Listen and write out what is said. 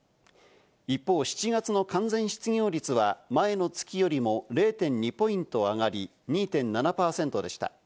一方、７月の完全失業率は前の月よりも０．２ポイント上がり、２．７％でした。